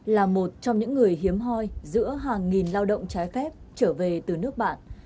là một trong những người hiếm hoi giữa hàng nghìn lao động trái phép trở về từ nước bạn